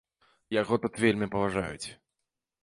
Яго тут вельмі паважаюць.